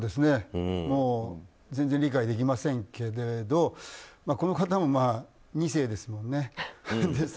全然理解できませんけれどこの方も２世ですもんね。